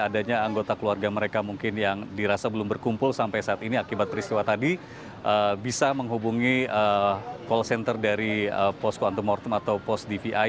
dan yang belum bisa dikumpul sampai saat ini akibat peristiwa tadi bisa menghubungi call center dari post quantum or post dvi